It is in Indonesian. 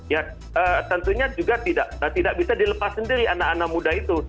ya tentunya juga tidak bisa dilepas sendiri anak anak muda itu